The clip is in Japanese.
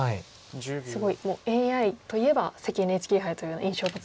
すごいもうＡＩといえば関ＮＨＫ杯というような印象も強いですよね。